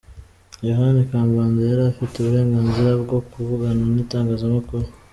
Yohani Kambanda yari afite uburenganzira bwo kuvugana n’itangazamakuru?